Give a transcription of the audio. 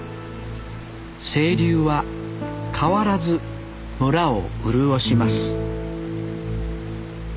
清流は変わらず村を潤します